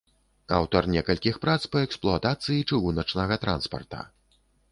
Аўтар некалькіх прац па эксплуатацыі чыгуначнага транспарта.